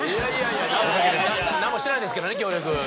何もしてないですけどね協力。